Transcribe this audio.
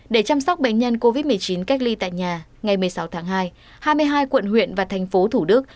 để chăm sóc bệnh nhân covid một mươi chín cách ly tại nhà ngày một mươi sáu tháng hai hai mươi hai quận huyện và thành phố thủ đức